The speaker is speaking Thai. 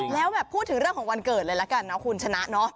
แล้วพูดถึงเรื่องของวันเกิดเลยละกันคุณชนะ